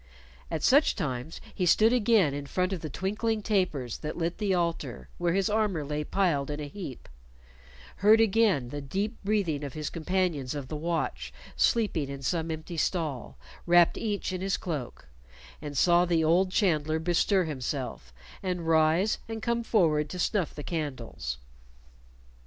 At such times he stood again in front of the twinkling tapers that lit the altar where his armor lay piled in a heap, heard again the deep breathing of his companions of the watch sleeping in some empty stall, wrapped each in his cloak, and saw the old chandler bestir himself, and rise and come forward to snuff the candles.